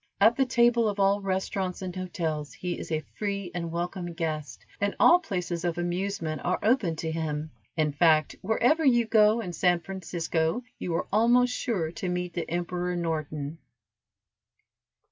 At the table of all restaurants and hotels he is a free and welcome guest, and all places of amusement are open to him; in fact, wherever you go in San Francisco, you are almost sure to meet the Emperor Norton.